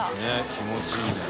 佑気持ちいいね。